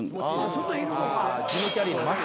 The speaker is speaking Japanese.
そんなんいるのか。